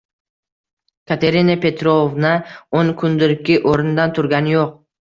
Katerina Petrovna oʻn kundirki oʻrnidan turgani yoʻq.